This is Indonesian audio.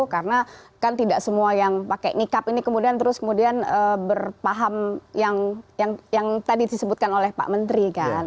karena kan tidak semua yang pakai nikab ini kemudian terus kemudian berpaham yang tadi disebutkan oleh pak menteri kan